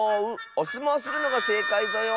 おすもうするのがせいかいぞよ。